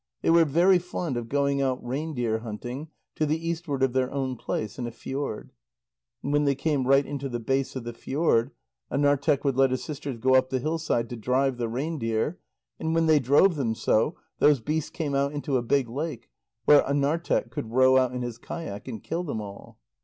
They were very fond of going out reindeer hunting to the eastward of their own place, in a fjord. And when they came right into the base of the fjord, Anarteq would let his sisters go up the hillside to drive the reindeer, and when they drove them so, those beasts came out into a big lake, where Anarteq could row out in his kayak and kill them all.